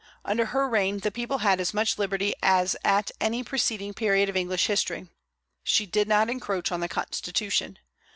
Under her reign the people had as much liberty as at any preceding period of English history. She did not encroach on the Constitution.